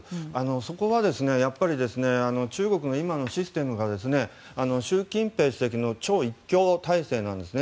そこは中国の今のシステムが習近平主席の超一強体制なんですね。